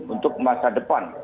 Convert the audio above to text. untuk masa depan